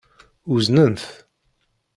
Uznen-t.